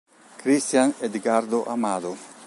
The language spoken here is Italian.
Cristian Edgardo Amado